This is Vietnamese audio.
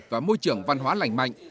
và môi trường văn hóa lành mạnh